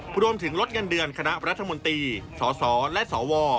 รวมถึงลดเงินเดือนคณะรัฐมนตรีสสและสว